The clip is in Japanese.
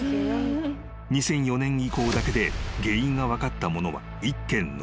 ２００４年以降だけで原因が分かったものは１件のみ］